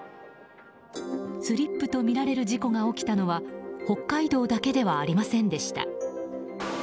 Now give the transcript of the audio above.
スリップとみられる事故が起きたのは北海道だけではありませんでした。